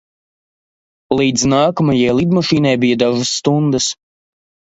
Līdz nākamajai lidmašīnai bija dažas stundas.